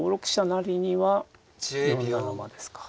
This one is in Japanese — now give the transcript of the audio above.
成には４七馬ですか。